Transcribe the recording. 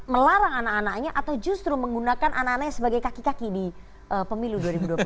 melarang anak anaknya atau justru menggunakan anak anaknya sebagai kaki kaki di pemilu dua ribu dua puluh empat